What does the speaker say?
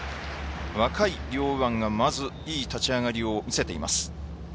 若い両右腕がいい立ち上がりを見せています。